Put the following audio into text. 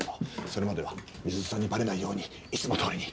それまでは美鈴さんにバレないようにいつもどおりに。